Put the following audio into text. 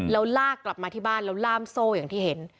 แล้วลากกลับมาที่บ้านแล้วล่ามโซ่อย่างที่เห็น